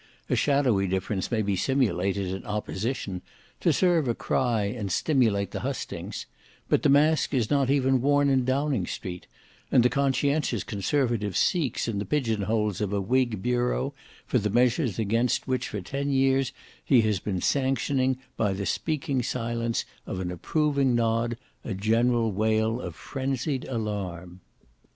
A shadowy difference may be simulated in opposition, to serve a cry and stimulate the hustings: but the mask is not even worn in Downing Street: and the conscientious conservative seeks in the pigeon holes of a whig bureau for the measures against which for ten years he has been sanctioning by the speaking silence of an approving nod, a general wail of frenzied alarm.